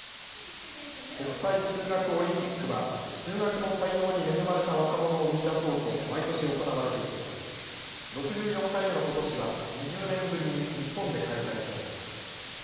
国際数学オリンピックは数学の才能に恵まれた若者を見いだそうと毎年行われていて６４回目のことしは２０年ぶりに日本で開催されました。